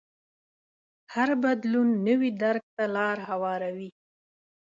هر بدلون نوي درک ته لار هواروي.